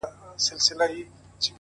زما په ژوند کي يې زما رگونه ټول وزبېښل;